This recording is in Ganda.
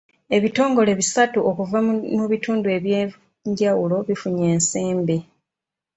Ebitongole bisatu okuva mu bitundu eby'enjawulo bifunye ensimbi.